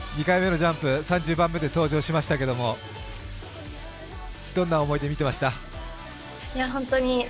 ２回目ジャンプ、３０番目で登場しましたけれども、どんな思いで見ていましたか？